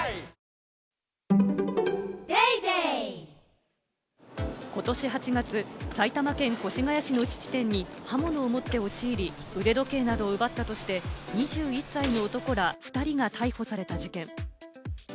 「ロリエ」ことし８月、埼玉県越谷市の質店に刃物を持って押し入り、腕時計などを奪ったとして２１歳の男ら２人が逮捕された事件。